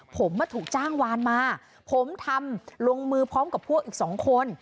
ผมถูกจ้างวานมาผมทำลงมือพร้อมกับพวกอีกสองคน